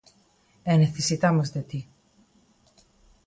E necesitamos de ti.